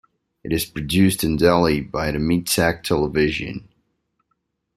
It is produced in Delhi by Miditech Television.